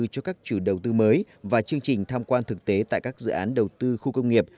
cho các chủ đầu tư mới và chương trình tham quan thực tế tại các dự án đầu tư khu công nghiệp